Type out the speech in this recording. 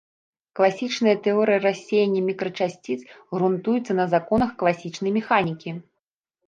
Класічная тэорыя рассеяння мікрачасціц грунтуецца на законах класічнай механікі.